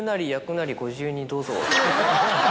「ご自由にどうぞ」。